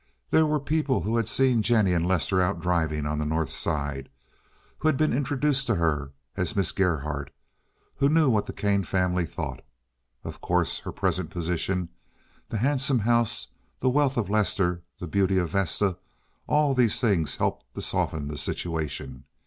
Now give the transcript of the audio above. There were people who had seen Jennie and Lester out driving on the North Side, who had been introduced to her as Miss Gerhardt, who knew what the Kane family thought. Of course her present position, the handsome house, the wealth of Lester, the beauty of Vesta—all these things helped to soften the situation.